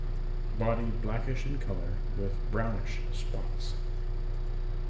Body blackish in color with brownish spots.